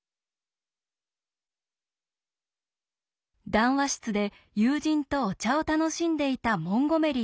談話室で友人とお茶を楽しんでいたモンゴメリー博士。